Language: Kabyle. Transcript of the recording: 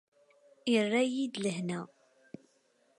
Irra-yi-d lehna.